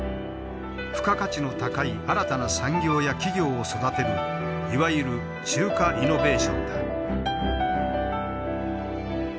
付加価値の高い新たな産業や企業を育てるいわゆる中華イノベーションだ。